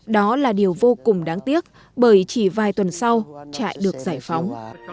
đó là điều vô cùng đáng tiếc bởi chỉ vài tuần sau trại được giải phóng